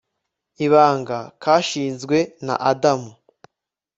ibanga kashinzwe na adam